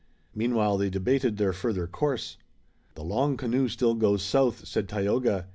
Meanwhile they debated their further course. "The long canoe still goes south," said Tayoga.